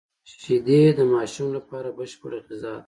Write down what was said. شیدې د ماشوم لپاره بشپړه غذا ده